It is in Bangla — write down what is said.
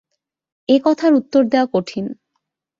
এ কথার উত্তর দেওয়া কঠিন।